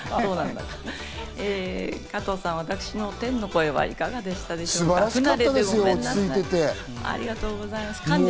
加藤さん、私の天の声はいかがでしたでしょうか？